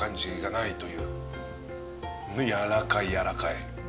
やわらかいやわらかい。